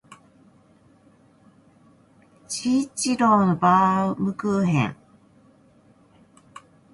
治一郎のバームクーヘン